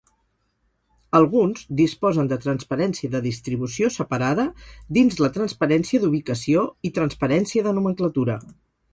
Alguns disposen de transparència de distribució separada dins la transparència d'ubicació i transparència de nomenclatura.